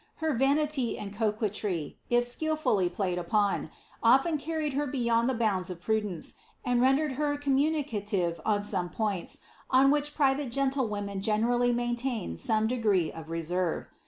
Her vanity and coquetry, if skilfully played upon, often carried her beyond the bounds of prudence, and rendered her communicative on some points on which private gen tlewomen generally maintained some degree of reserve.